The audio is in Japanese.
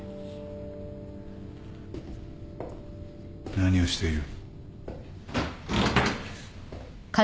何をしている。